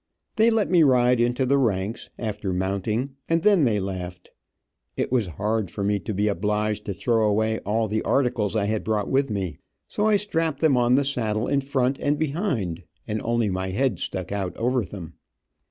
They let me ride into the ranks, after mounting, and then they laughed. It was hard for me to be obliged to throw away all the articles I had brought with me, so I strapped them on the saddle in front and behind, and only my head stuck out over them.